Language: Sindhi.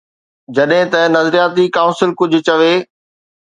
جڏهن ته نظرياتي ڪائونسل ڪجهه چوي.